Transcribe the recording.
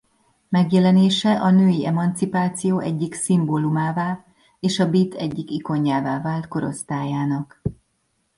Megjelenése a női emancipáció egyik szimbólumává és a beat egyik ikonjává vált korosztályának.